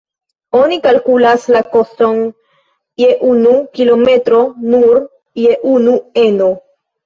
Oni kalkulas la koston je unu kilometro nur je unu eno.